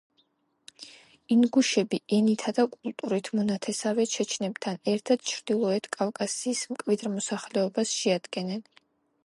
ინგუშები ენითა და კულტურით მონათესავე ჩეჩნებთან ერთად ჩრდილოეთ კავკასიის მკვიდრ მოსახლეობას შეადგენენ.